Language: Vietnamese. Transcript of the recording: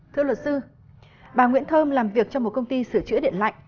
thưa luật sư bà nguyễn thơm làm việc trong một công ty sửa chữa điện lạnh